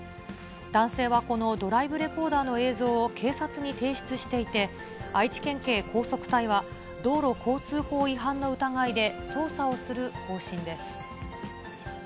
男性はこのドライブレコーダーの映像を警察に提出していて、愛知県警高速隊は、道路交通法違反の疑いで、捜査をする方針です。